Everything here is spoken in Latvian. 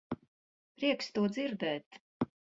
Prieks to dzirdēt.